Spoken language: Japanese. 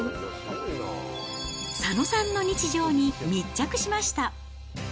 佐野さんの日常に密着しました。